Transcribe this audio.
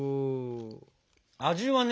味はね